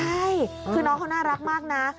ใช่คือน้องเขาน่ารักมากนะ